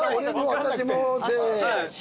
「私も」で。